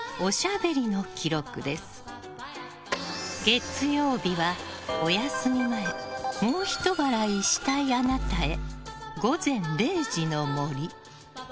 月曜日は、お休み前もうひと笑いしたいあなたへ。